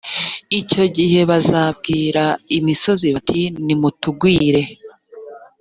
icyo gihe bazabwira imisozi bati nimutugwire